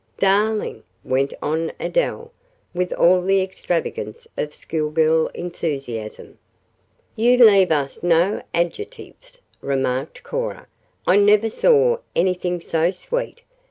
"Darling!" went on Adele, with all the extravagance of schoolgirl enthusiasm. "You leave us no adjectives," remarked Cora. "I never saw anything so sweet.